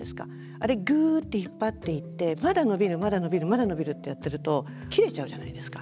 あれグーッて引っ張っていってまだ伸びるまだ伸びるまだ伸びるってやってると切れちゃうじゃないですか。